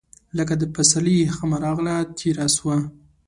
لکه د پسرلي هیښمه راغله، تیره سوه